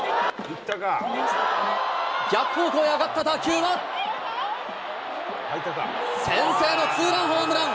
逆方向へ上がった打球は、先制のツーランホームラン。